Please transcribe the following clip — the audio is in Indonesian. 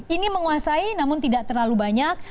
ini menguasai namun tidak terlalu banyak